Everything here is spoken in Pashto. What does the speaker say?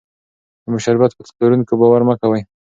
د شربت په پلورونکو باور مه کوئ.